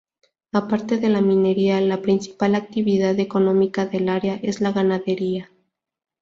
Aparte de la minería, la principal actividad económica del área es la ganadería.